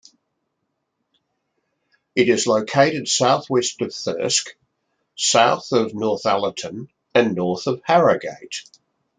It is located south-west of Thirsk, south of Northallerton and north of Harrogate.